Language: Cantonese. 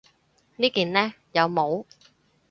呢件呢？有帽